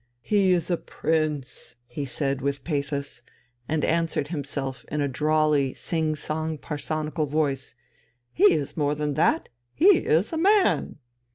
"He is a prince!" he said with pathos, and answered himself in a drawly, sing song parsonical voice. "He is more than that, he is a man!"